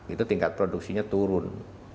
itu tingkat produksinya turun